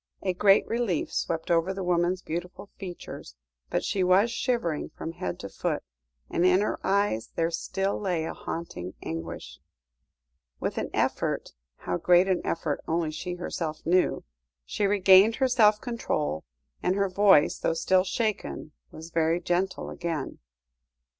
A great relief swept over the woman's beautiful features, but she was shivering from head to foot, and in her eyes there still lay a haunting anguish. With an effort how great an effort only she herself knew she regained her self control, and her voice, though still shaken, was very gentle again.